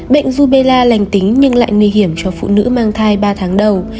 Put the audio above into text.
bệnh rubella lành tính nhưng lại nguy hiểm cho phụ nữ mang thai ba tháng đầu